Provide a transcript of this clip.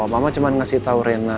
mama cuman ngasih tau rena